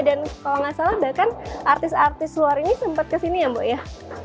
dan kalau nggak salah bahkan artis artis luar ini sempat ke sini ya mbak